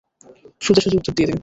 সোজাসুজি উত্তর দিয়ে দিন!